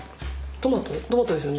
トマトですよね？